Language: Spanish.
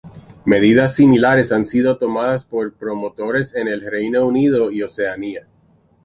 Medidas similares han sido tomadas por promotores en el Reino Unido y Oceanía.